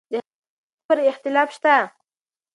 د هغې پر قبر اختلاف شته.